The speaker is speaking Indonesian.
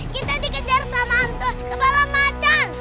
kita dikejar sama hantu kepala macan